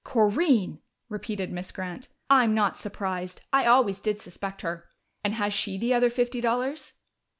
"Corinne!" repeated Miss Grant. "I'm not surprised. I always did suspect her.... And has she the other fifty dollars?"